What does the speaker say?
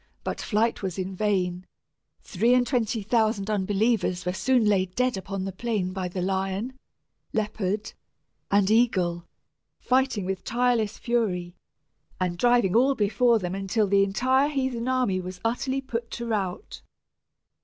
But flight was in vain; three and twenty thousand unbelievers were soon laid dead upon the plain by the lion, leopard, and eagle, fighting with tireless fury, and driving all before them, until the entire heathen army was utterly put to rout.